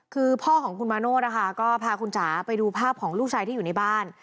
คือพ่อของคุณมาโนธนะคะก็พาคุณจ๋าไปดูภาพของลูกชายที่อยู่ในบ้าน